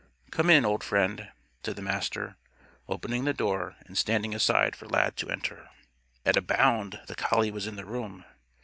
"Come in, old friend," said the Master, opening the door and standing aside for Lad to enter. At a bound, the collie was in the room.